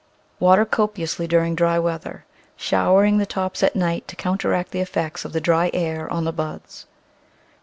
Water copiously during dry weather, showering the tops at night to counteract the effect of the dry air on the buds.